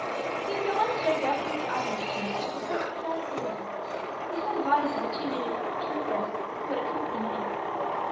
He was at once dragged out from the audience chamber to the courtyard beyond. He saw the bodies of the two native troopers who had accompanied him.